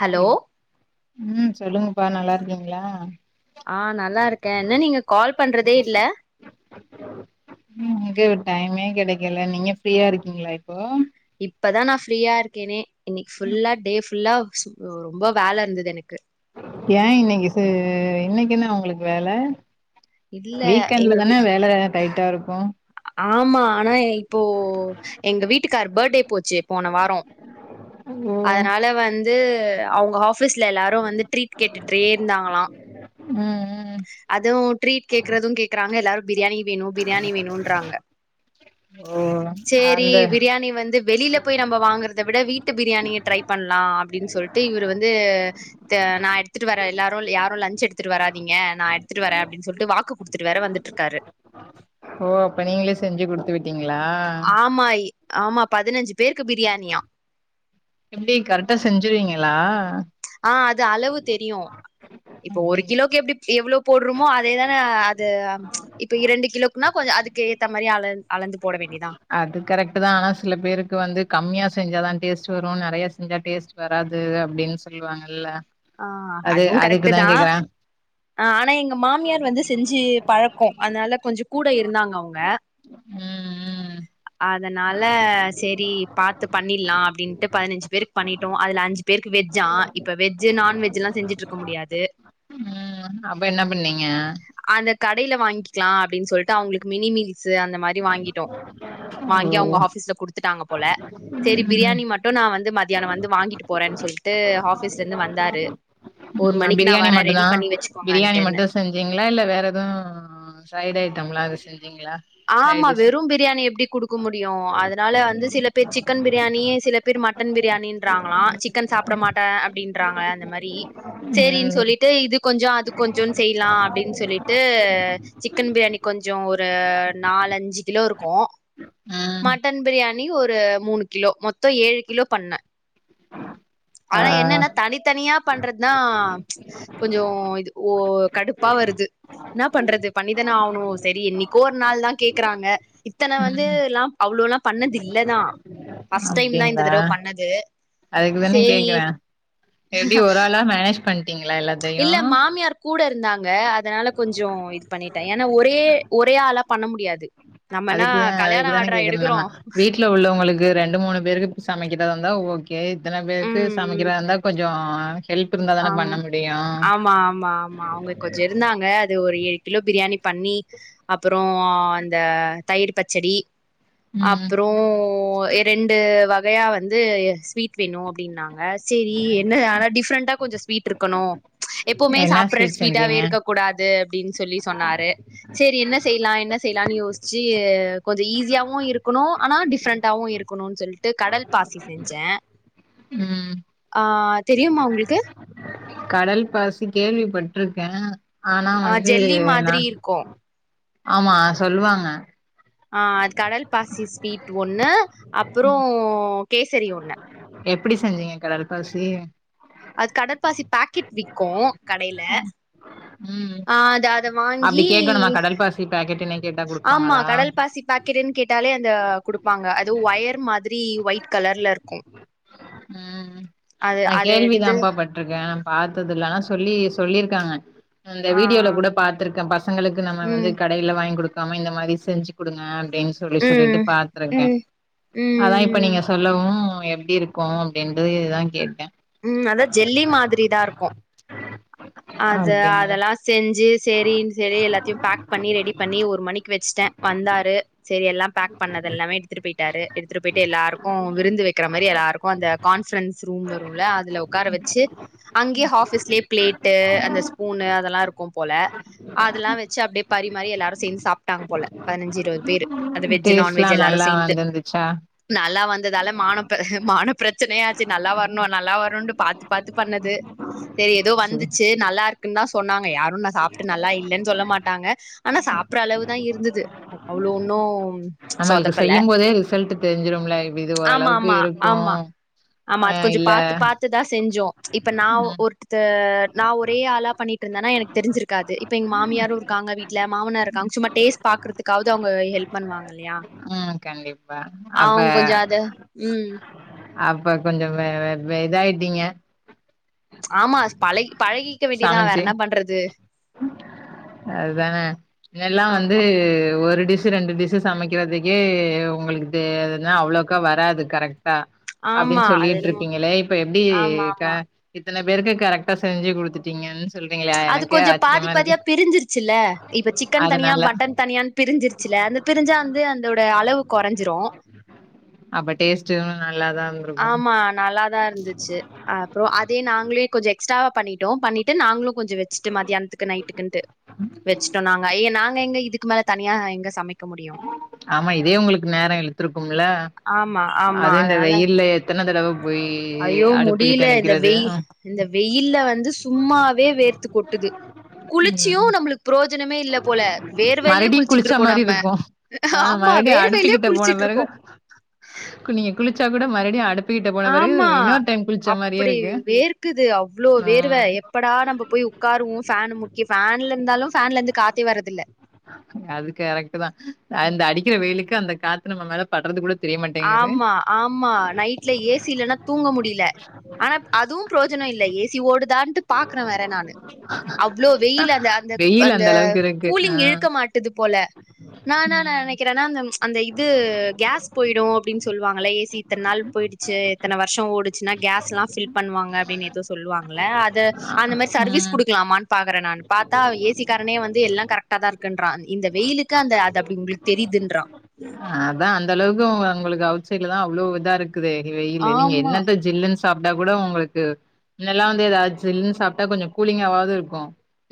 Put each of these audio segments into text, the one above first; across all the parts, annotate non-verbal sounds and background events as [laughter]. hello ம் சொல்லுங்கப்பா நல்லா இருக்கீங்களா ஆ நல்லா இருக்கே என்ன நீங்க கால் பண்றதே இல்ல எங்க டைமே கெடெக்கல நீங்க ஃப்ரீயா இருக்கீங்களா இப்போ இப்பதா நா ஃப்ரீயா இருக்கேனே இன்னக்கி ஃபுல்லா டே ஃபுல்லா ரொம்ப வேல இருந்தது எனக்கு ஏ இன்னக்கி சு இன்னக்கி என்னா உங்களுக்கு வேல இல்ல வீக்கெண்ட்ல எங்க வீ தான வேல டைட்டா இருக்கு ஆமா ஆனா இப்போ எங்க வீட்டுக்கார் பர்ட்டே போச்சு போன வாரொ ஓ அதனால வந்து அவுங்க ஆஃபீஸ்ல எல்லாரு வந்து ட்ரீட் கேட்டுட்றே இருந்தாங்களா ம் ம் அதுவு ட்ரீட் கேக்குறது கேக்குறாங்க எல்லாரு பிரியாணி வேணு பிரியாணி வேணுன்றாங்க ஓ சேரி அந்த பிரியாணி வந்து வெளில போய் நம்ப வாங்குறத விட வீட்டு பிரியாணிய ட்ரை பண்லா அப்டின்னு சொல்ட்டு இவர் வந்து டு நா எடுத்துட்டு வரே எல்லாரு யாரு லன்ச் எடுத்துட்டு வராதீங்க திங்க நா எடுத்துட்டு வரே அப்டின்னு சொல்ட்டு வாக்கு குடுத்துட்டு வேற வந்துட்ருக்காரு ஓ அப்ப நீங்களே செஞ்சு குடுத்து விட்டீங்களா ஆமா ஆமா பதினஞ்சு பேருக்கு பிரியாணியா எப்டி கரெக்டா செஞ்சுருவீங்களா ஆ அது அளவு தெரியு இப்போ ஒரு அப்டிங் கிலோக்கு எப்டி எவ்ளோ போடுறமோ அதேதான அது இப்ப இரண்டு கிலோக்குன்னா கொஞ்சொ அதுக்கு ஏத்த மாரி அள அளந்து போட வேண்டியதா அது கரெக்டு தா ஆனா சில பேருக்கு வந்து கம்மியா செஞ்சா தா டேஸ்ட்டு வரு நெறையா செஞ்சா டேஸ்ட் வராது அப்டின்னு சொல்லுவாங்கல்ல ஆ அது அதுவும் கரெக்ட்டு அதுக்குதா தா கேக்குறே ஆ ஆனா எங்க மாமியார் வந்து செஞ்சு பழக்கோ அதுனால கொஞ்ச கூட இருந்தாங்க அவுங்க ம் ம் அதுனால சரி பாத்து பண்ணில்லா அப்டின்ட்டு பதினஞ்சு பேருக்கு பண்ணிட்டோ அதுல அஞ்சு பேருக்கு வெஜ்ஜா இப்ப வெஜ்ஜு நான்வெஜ்ஜல்லா செஞ்சுட்டு இருக்க முடியாது ம் ம் அப்ப என்ன பண்ணீங்க அந்த கடேல வாங்கிக்கலா அப்டின் சொல்ட்டு அவுங்களுக்கு மினி மீல்ஸு அந்த மாரி வாங்கிட்டோ ஓ வாங்கி அவுங்க ஆஃபீஸ்ல குடுத்துட்டாங்க போல சரி ம் பிரியாணி மட்டு நா வந்து மத்தியானோ வந்து வாங்கிட்டு போறேன் சொல்லி ட்டு ஆபீஸ்ல இருந்து வந்தாரு ஒரு ம் மணிக்கு நா பிரியாணி வரே மட்டுந்தா ரெடி பண்ணி பிரியாணி வச்சுக்கோங்கன்ட்டுன்னு மட்டு செஞ்சீங்களா இல்ல வேற எது ஃப்ரைடு் ஐட்டம்ல்லா எது செஞ்சீங்களா ஆமா சைட் டிஷ் வெறு பிரியாணி எப்டி குடுக்க முடியு அதுனால வந்து சில பேர் சிக்கன் பிரியாணி சில பேர் மட்டன் பிரியாணின்றாங்களா சிக்கன் சாப்ட மாட்டே அப்டின்றாங்க அந்த மாரி சேரின் ம் சொல்லிட்டு இது கொஞ்சோ அது கொஞ்சோன் செய்லா அப்டின் சொல்லிட்டு சிக்கன் பிரியாணி கொஞ்சோ ஒரு நாலஞ்சு கிலோ இருக்கு ம் மட்டன் பிரியா ணி ஒரு மூணு கிலோ மொத்தோ ஏழு கிலோ பண்ணே ஆ ஆனா என்னன்னா தனித்தனியா பண்ற தா கொஞ்சோ இது ஓ கடுப்பா வருது என்னா பண்றது பண்ணிதான ஆகணு சரி என்னைக்கோ ஒரு நாள் தா கேக்குறாங்க இத்தன வந்து ம் எல்லா அவ்ளோல்லா பண்ணது இல்லதா ஃபஸ்ட் டைம் தா இந்த தடவ பண்ணது அதுக்குதான சேரி கேக்குறே எப்டி ஒரு ஆளா மேனேஜ் பண்ட்டீங்களா எல்லா இல்ல மாமியார் கூட இருந்தாங்க அதுனால கொஞ்சோ இது பண்ணிட்டே ஏனா ஒரே ஒரே ஆளா பண்ண முடியாது நம்மனா அதுக்குதா கல்யாண அதுக்குதானே ஆட்றா கேக்குறே எடுக்குறோ நம்ம வீட்ல உள்ளவங்களுக்கு ரெண்டு மூணு பேருக்கு சமைக்கிறதந்தா ஓ கே இத்தன ம் பேருக்கு ம் சமைக்கிறதந்தா கொஞ்சோ ஹெல்ப் இருந்தா தான ஆம் பண்ண முடியு ஆமா ஆமா ஆமா அவங்க கொஞ்சோ இருந்தாங்க அது ஒரு ஏழு கிலோ பிரியாணி பண்ணி அப்பறோ அந்த தயிர் பச்சடி ம் அப்பறோ எ ரெண்டு வ கையா வந்து ஸ்வீட் வேணு அப்டின்னாங்க சேரி என்ன ஆனா டிஃப்ரண்டா கொஞ்ச ஸ்வீட் இருக்கணு எப்பவுமே என்ன சாப்பற்ற ஸ்வீட் ஸ்வீட்டாவே செஞ்சீங்க இருக்க கூடாது அப்டின் சொல்லி சொன்னாரு சேரி என்ன செய்லா என்ன செய்லான்னு யோஸ்ச்சு கொஞ்சோ ஈஸியாவு இருக்கணு ஆனா டிஃப்ரெண்டாவு இருக் கணுன் சொல்ட்டு கடல் பாசி செஞ்சே ம் ஆ தெரியுமா உங்களுக்கு கடல் பாசி கேள்விபட்ருக்கே ஆனா ஆ வந்து ஜெல்லி நா மாதிரி இருக்கு ஆமா சொல்லுவாங்க ஆ அது கடல் பாசி ஸ்வீட் ஒண்ணு அப்பறோ ம் கேசரி ஒண்ணு எப்டி செஞ்சீங்க கடல் பாசி அது கடல்பாசி பாக்கெட் விக்கு கடேல ம் அப்டி கேக்கணுமா கடல் பாசி பாக்கெட்டுனே கேட்டா குடுப்பாங்களா பாக்கெடுன் கேட்டாலே அந்த குடுப்பாங்க அது ஒயர் மாதிரி ஒயிட் கலர்ல இருக்கு ம் ம் அது நா அத எடுத்து கேள்விதாம்பா பட்ருக்கே நா பாத்தது இல்ல ஆனா சொல்லி சொல்லிருக்காங்க அந்த ஆ வீடியோல கூட பாத்துருக்கே பசங்களுக்கு நம்ம வந்து ம் க கடையில வாங்கி குடுக்காம இந்த மாரி செஞ்சு குடுங்க அப்டின் சொ [unintelligible] சொல்லிட்டு ம் பாத்துருக்க ம் அனா இப்ப நீங்க ம் சொல்லவு எப்டி இருக்கோ அப்டின்றது இது தா கேட்ட உம் அதா ஜெல்லி மாத்ரிதா இருக்கு அது அப்டிங்களா அதெல்லா செஞ்சு சேரின் செரி எல்லாத்தையு பேக் பண்ணி ரெடி பண்ணி ஒரு மணிக் வெச்சிட்ட வந்தாரு செரி எல்லா பேக் பண்ணத எல்லாமே எடுத்துட் போயிட்டாரு எடுத்துட் போயிட்டு எல்லாருக்கோ விருந்து வெக்கற மாரி எல்லாருக்கு அந்த கான்பரன்ஸ் ரூம் வருல்ல அதுல உக்கார வெச்சி அங்கியே ஆஃபீஸ்லயே பிளேட் டு அந்த ஸ்பூனு அதெல்லா இருக்கும் போல அதெல்லா வெச்சி அப்டியே பரிமாறி எல்லாரு சேந்து சாப்ட்டாங்க போல பதினஞ்சி இருவது பேரு அது வெஜ்ஜு டேஸ்ட்லா நான்வெஜ்ஜு எல்லாருமே நல்லா சேந்து வந்துருந்துச்சா நல்லா வந்ததால மானப் ப மானப்பிரச்சனயாச்சு நல்லா வர்னோ நல்லா வருண்டு பாத் த்து பாத்து பண்ணது செரி ஏதோ சேரி வந்துச் சு நல்லா இருக்குன் தா சொன்னாங்க யாரு நா சாப்ட்டு நல்லா இல்லேன் சொல்ல மாட்டாங்க ஆனா சாப் ப்புற அளவு தா இருந்துது அவ்ளோ ஒன்னு நம்மளுக்கு சொதப் செய்யும் போதே ரிசல்ட்டு தெரிஞ்சிரும்ல இப்ப இது ஆமா ஓரளவுக்கு ஆமா இருக்கு ஆமா ஆமா ஆ அது கொஞ்சோ இல்ல பாத்து பாத்துதா செஞ்சோ இப்ப நா ம் ஒருத்த நா ஒரே ஆளா பண்ணிட்ருந்தனா எனக் தெரிஞ்சிருக்காது இப்ப எங்க மாமியாரு இருக்காங்க வீட்ல மாமனாரு இருக்காங்க சும்மா டேஸ்ட் பாக்குறதுக்காவது அவுங்க ஹெல்ப் பண்ணுவாங்க இல்யா உம் கண்டிப்பா அப்ப அது உம் அப்ப கொஞ்சோ வெ வெ வெதாயிட்டீங்க ஆமா அஸ் பழகி பழகிக்க வேண்டியதா வேற என்னா பண்றது அத்தான இதெல்லா வந்து ஆமா ஒரு டிஷ் சு ரெண்டு டிஷ்சு சமைக்கறதுக்கே உங்களுக் தே அதென்னா அவ்ளோக்கா வராது கரெக்டா ஆமா அப்டின் அது என்னமோ சொல்லிட்ருப்பீங்களே இப்ப எப்டி ஆமா க ஆமா இத்தன பேருக்கு கரெக்டா செஞ்சி குடுத்துட்டீங்கன் சொல்றீங்களே அது எனக்கே கொஞ்சோ ஆச் பாதி பாதியா பிரிஞ்சிருச்சில்ல இப்ப சிக்கன் தனியா அதனால பட்டன் தனியான் பிரிஞ்சிருச்சில்ல அது பிரிஞ்சா வந்து அந்தோட அளவு கொறஞ்சிரு அப்ப டேஸ்ட்டு நல்லாதா இருந்துருக் ஆமா நல்லாதா இருந்துச்சு அப்றோ அதே நாங்களே கொஞ்ச எக்ஸ்ட்ராவா பண்ணிட் டோ பண்ணிட்டு நாங்களு கொஞ்சோ வெச்சிட்டு மத்தியானத்துக்கு நைட்டுக்குன்ட்டு வெச்சிட்டோ நாங் அய்ய நாங்க எங்க இதுக் மேல தனியா எங்க சமைக்க முடியு ஆமா இதே உங்குளுக் நேர இழுத்துருக்கும்ல ஆமா ஆமா அதுவு இந்த அதனால வெயில்லே எத்தன தடவ போயி யி ஐயோ அடுப்புகிட்ட முடியல இந்த நிக்கறது வெயி இந்த வெயில்ல வந்து சும்மாவே வேர்த்து கொட்டுது குளிச்சியு உம் நம்மளுக்கு புரோஜனமே இல்ல போல வேர்வையிலயே மறுடியு குளிச்சிட்டு குளிச்சா இருக்கோ மாரி நம்ம இருக்கு ஆ ஆமா மறுடியு வேர்வையிலயே அடுப்புக்கிட்ட போன குளிச்சிட்டு பிறகு இருக்கோ நீங்க குளிச்சா ம் கூட மறுடியு அடுப் போன பிறகு ஆமா இன்னோர் டைம் அப்படி இருக்கு வேர்க்குது அவ்ளோ வேர்வ ம் எப்படா நம்ப போய் உக்காருவோ ஃபேனு முன் இங்க ஃபேன்ல இருந்தாலு ஃபேன்ல இருந்து காத்தே வரதில்ல அது கரெக்ட் தா அந்த அடிக்கிற வெயிலுக்கு அந்த காத் ஆமா ஆமா நைட்ல ஏ சி இல்லேனா தூங்க முடில ஆனா அதுவு ப்ரோஜன இல்ல ஏ சி ஓடுதான்ட்டு பாக்கற வேற நானு அவ்ளோ வெயில்ல அந்த தக் வெயில் அந்த அளவுக்கு இருக்கு ஆ கூலிங் இழுக்க மாட்டேது போல நா என்னா ம் நெனைக்கறேனா அந்த அந்த இது கேஸ் போய்டும் அப்டின் சொல்வாங்கள்ள ஏ சி இத்தன நாள் போய்டுச்சு இத்தன வர்ஷோ ஓடுச்சுன்னா கேஸ் எல்லா ஃபில் பண்ணவாங்க அப்டின் எதோ சொல்லவாங்கள்ள அது அந்த மாரி சர்வீஸ் ம் குடுக்லாமான் பாக்குறே நானு பாத்தா ஏ சி காரனே வந்து எல்லா கரெக்ட்டா தா இருக்குன்றா இந்த வெயிலுக்கு அந்த அது அப்டி உங்ளுக்கு தெரியுதுன்றா அதா அந்த அளவுக்கு உங்களுக்கு அவுட் சைட்ல தா அவ்ளோ இதாருக் குது வெய்யிலு நீங்க ஆமா என்னத்த ஜில்லுன் சாப்ட்டா கூட உங்களுக்கு மின்னல்லா வந்து எதாச் ஜில்ன்னு சாப்ட்டா கொஞ்ச கூலிங்காவாவ்து இருக்கு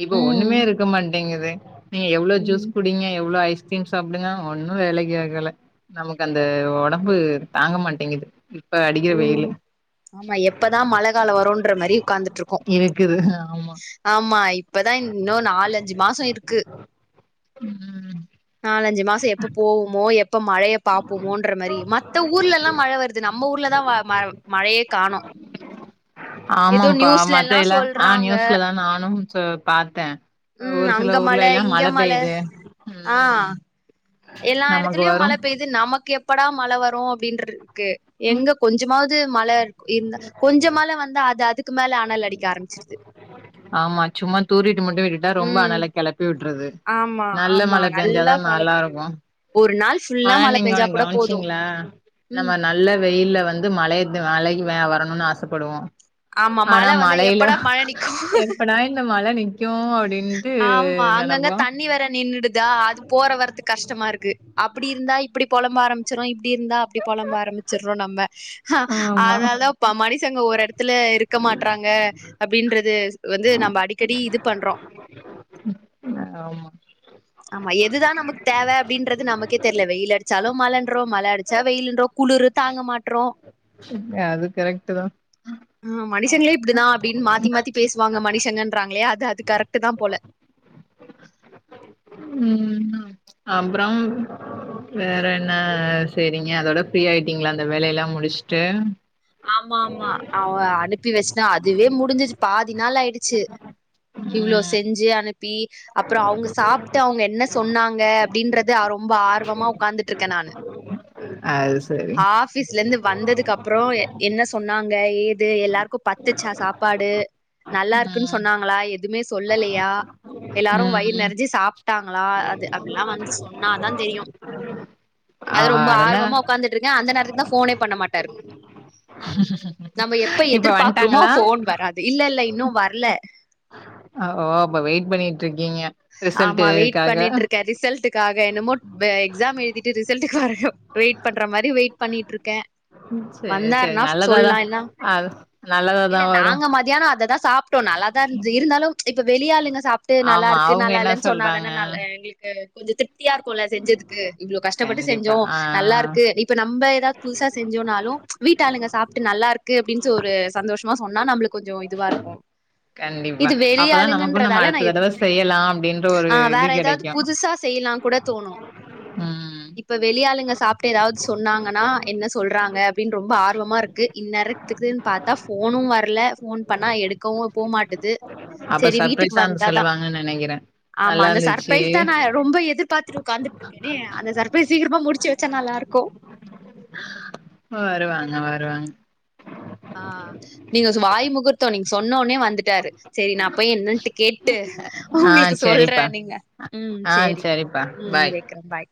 இப்ப ம் ஒன்னுமே இருக்க மாட்டேங்குது நீங்க எவ்ளோ ஜூஸ் ம் குடிங்க எவ்ளோ ஐஸ் கிரீம் சாப்டுங்க ஒன்னு வேலைக் கியாகல நமக்கு அந்த ஒடம்பு தாங்க மாட்டேங்குது இப்ப அடிக்கிற வெய்லு ம் ஆமா எப்பதா மழை கால வருன்ற மாரி உக்காந்துட்ருக்கோ இருக்குது ஆமா ஆமா இப்பதா இன்னு நாலஞ்சு மாசோ இருக்கு ம் நாலஞ்சு மாச எப்ப போவுமோ எப்ப மழைய பாப்பமோன்ற மரி மத்த ஊர்லலாம் மழை வருது நம்ம ஊர்லதா ம மழையே காணு ஆமாப்பா நியூஸ்லல்லா மத்தையில ஆ சொல்றாங்க நியூஸ்லதா நானு பாத்த அ ம் ஒரு சில அங்க மழ ஊர்ல எல்லா இங்க மழை மழ பெய்யுது ஆ ம் எல்லா நமக்கு எடத்துலயு வரு மழை பெய்து நமக்கு எப்படா மழை வரு அப்டின்ற கு எங்க கொஞ்சமாவுது மழை இருக் இருந்தா கொஞ்ச மழ வந்த அது அதுக்கு க்கு மேல அனல் அடிக்க ஆரமிச்சிருது ஆமா சும்மா தூறிட்டு மட்டு விட்டுட்டா ரொம்ப ம் அனல களப்பி விட்ருது ஆமா நல்ல ஆமா மழை நல்லா பேஞ்சாதா மழ பெய்யணு நல்லாருக்கு ஒரு நாள் ஃபுல்லா ஆனா மழ நீங்க பெஞ்சா ஒன்னு கூட போது கவனுச்சீங்ளா ம் நம்ம நல்ல வெயில்ல வந்து மழைய மழக்கி வரணும்னு ஆசப்படுவோ ஆமா மழை வந்த எப்படா மழை நிக்கு நா இந்த மழை நிக்கு அப்டின் ஆமா அங்கங்க தண்ணி வேற நின்னுடுதா அது போற வரதுக் கஷ்ட்டமாருக்கு அப்புடி இருந்தா இப்புடி பொலம்ப ஆரமிச்றோ இப்டி இருந்தா அப்டி பொலம்ப ஆரம்ச் சிர்றோ நம்ம ஆ ஆமா அதனால தா இப்ப மனிஷங்க ஒர் எடத்துல இருக்க மாட்டறாங்க அப்டின்றது வந்து நம்ம அடிக்கடி இது பண்றோ ஆமா ஆமா எதுதா நமக்கு தேவை அப்டின்றது நமக்கே தெர்ல வெயில் அடுச் சாலு மழன்றோம் மழ அடிச்சா வெயிலுன்றோ குளுரு தாங்க மாட்றோ அது கரெக்ட்டு தா ஆ மனுஷங்ளே இப்டிதா அப்டின் மாத்தி மாத்தி பேசுவாங்க மனிஷங்கன்றாங்ளே அது அது கரெக்ட்டு தா போல ம் ம் அப்றம் வேற என்ன செரிங்க அதோட ஃப்ரீ ஆயிட்டீங்ளா அந்த வேலை எல்லா முடிஷ்ட்டு ஆமா ஆமா அவ அனுப்பி வெச்ட்டா அதுவே முடிஞ்சிச்சு பாதி நாள் ஆயிடுச்சு இவ்ளோ ம் செஞ்சு அனுப்பி அப்புறோ அவுங்க சாப்ட்டு அவுங்க என்ன சொன்னாங்க அப்டின்றது ரொம்ப ஆர்வமா உக்காந்துட்ருக்க நானு அது சரி பீஸ்லேந்து வந்ததுக்கு அப்றோ என்ன சொன்னாங்க ஏது எல்லார்க்கு பத்துச்சா சாப்பாடு நல்லார்க்குன் ம் சொன்னாங்ளா எதுமே சொல்லலயா எல்லாரு வயிர் ம் நெறஞ்சு சாப்ட்டாங்ளா அது அப்புட்லா வந்து சொன்னாதா தெரியு ஆ அது ரொம்ப அதென்ன ஆர்வமா உக்காந்துட்ருக்க அந்த நேரத்துக்கு தா ஃபோனே பண்ண மாட்டாரு நம்ம எப்ப இப்ப எதிர்பார்க்குறோமோ வந்ட்டாங்களா ஃபோன் வராது இல்ல இல்ல இன்னு வர்ல ஆ ஓ அப்போ வெயிட் பண்ணிட்டு இருக்கீங்க ஆமா வெயிட் பண்ணிட்டு இருக்கே ரிசல்ட் க்காக என்னமோ எக்ஸாம் எழுதிட்டு ரிசல்ட்க்காரங்க வெயிட் பண்ற மாரி வெயிட் பண்ணிட்டு இருக்கே சேரி சேரி வந்தார்னா நல்லதாதா சொல்லா இல்னா அது நல்லதாதா இல்ல வரு நாங்க மதியானோ அததா சாப் டு நல்லாதா இர்ந்துது இருந்தாலுச் இப்போ வெளி ஆளுங்க சாப்ட்டு நல்லா ஆமா இருக்கு அவுங்க நல்லா என்ன இல்லேன் சொல்றாங்க சொன்னாதான நல் ஆ எங்களுக் கு கொஞ்சோ திருப்தியா இருக்குல செஞ்சதுக்கு இவ்ளோ கஷ்டப்பட்டு கண்டிப்பா செஞ்சோ ஆ ஆ நல்லாருக்கு இப் இப்ப நம்ப ஏதாவத் புதுசா செஞ்சோனாலு ச் வீட்டு ஆளுங்க சாப்ட்டு நல்லாருக்கு அப்டின்ச்சு ஒரு சந்தோஷமா சொன்னா நம்ளுக் கொஞ்சோ இதுவா இருக்கோ கண்டிப்பா அப்பதா நமக்கு நம்ம நா அடுத்த தடவ செய்யலா அப்டின் ஆ வேற ஏதாவது புதுசா செய்யிலா கூட தோணு ம் இப்ப வெளி ஆளுங்க சாப்ட்டு ஏதாவது சொன்னாங்கனா என்ன சொல்றாங்க அப்டின் ரொம்ப ஆர்வமா இர்க்கு இந்நேர த்துக்குன் பாத்தா ஃபோனு வர்ல ஃபோன் பண்ணா எடுக்கவு போ மாட்டுது அப்ப சர்ப்ரைஸா வந்து சொல்வாங்கன் நெனைக்கிறே ஆமா நல்லா அந்த இருந்துச்சு சர்ப்ரைஸ் தா நா ரொம்போ எதிர் பாத்துட்டு உக்காந்துட்ருக்கேனே அந்த சர்ப்ரைஸ் சீக்கிரமா முடிச்சி வெச்சா நல்லாருக்கோ வருவாங்க வருவாங் ஆ நீங்க சொ வாய் முகூர்த்தோ நீங் சொன்ன ஒன்னே வந்துட்டாரு செரி நா போயி என்னன்ட்டு கேட்டு ஆ உங்ளுக்கு சொல்றே சரிப்பா நீங்க ம் ஆ சேரி சரிப்பா ம் பாய் வெக்ரே பாய்